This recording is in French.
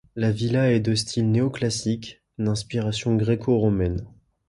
La villa est de style néo-classique, d'inspiration gréco-romaine.